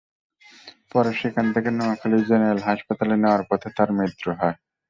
পরে সেখান থেকে নোয়াখালী জেনারেল হাসপাতালে নেওয়ার পথে তাঁর মৃত্যু হয়।